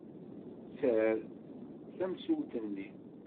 Tter tamsaltut-nni.